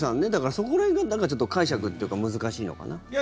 そこら辺が解釈というか難しいのかな。